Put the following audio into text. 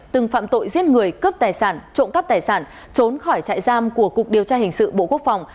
từng phạm tội giết người cướp tài sản trộm cắp tài sản trốn khỏi trại giam của cục điều tra hình sự bộ quốc phòng